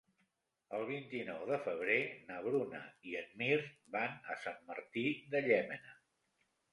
El vint-i-nou de febrer na Bruna i en Mirt van a Sant Martí de Llémena.